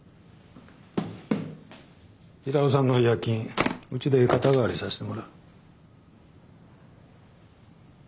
平尾さんの違約金うちで肩代わりさせてもらう。